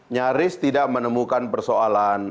nyaris tidak menemukan persoalan